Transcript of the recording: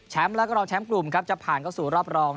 แชมป์และกรองแชมป์กลุ่มจะผ่านเข้าสู่รอบรอง